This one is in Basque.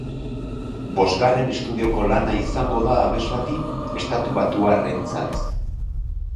Bosgarren estudioko lana izango da abeslati estatubatuarrentzat.